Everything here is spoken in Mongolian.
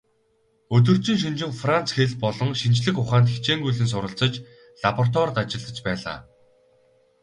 Өдөржин шөнөжин Франц хэл болон шинжлэх ухаанд хичээнгүйлэн суралцаж, лабораторид ажиллаж байлаа.